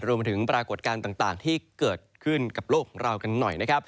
มาถึงปรากฏการณ์ต่างที่เกิดขึ้นกับโลกของเรากันหน่อยนะครับ